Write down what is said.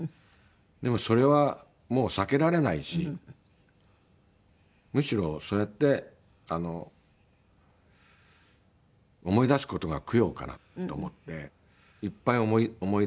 でもそれはもう避けられないしむしろそうやって思い出す事が供養かなと思っていっぱい思い出そうと。